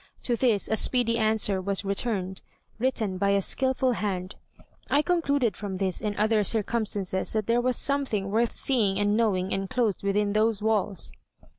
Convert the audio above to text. To this a speedy answer was returned, written by a skilful hand. I concluded from this and other circumstances that there was something worth seeing and knowing enclosed within those walls."